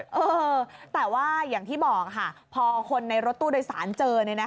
เออแต่ว่าอย่างที่บอกค่ะพอคนในรถตู้โดยสารเจอ